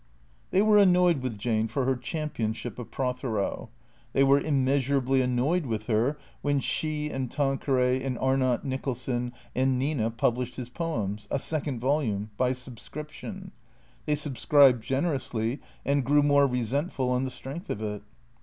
They were annoyed with Jane for her championship of Prothero. They were immeasurably annoyed with her when she, and Tanqueray, and Arnott Nicholson, and Nina published his poems — a second volume — by subscription. They sub scribed generously, and grew more resentful on the strength of it.